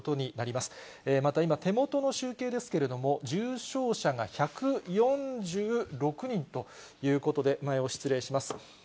また今、手元の集計ですけれども、重症者が１４６人ということで、前を失礼します。